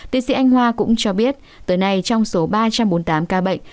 tiến sĩ anh hoa cũng cho biết tới nay trong số ba trăm bốn mươi tám ca bệnh